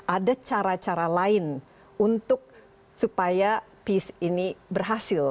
ada cara cara lain untuk supaya peace ini berhasil